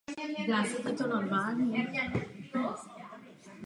Pevninu od řeky svatého Vavřince oddělují mořské útesy.